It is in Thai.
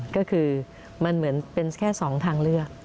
ก็คือมันเหมือนเป็นแค่๒ทางเลือก